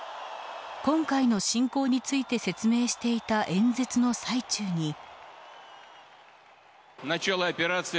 今回の侵攻について説明していた演説の最中に。